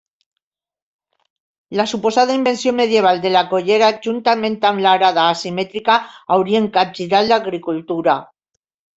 La suposada invenció medieval de la collera, juntament amb l'arada asimètrica haurien capgirat l'agricultura.